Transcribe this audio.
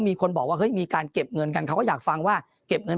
มีคนบอกว่าเฮ้ยมีการเก็บเงินกันเขาก็อยากฟังว่าเก็บเงิน